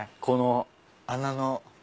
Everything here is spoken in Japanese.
この穴の。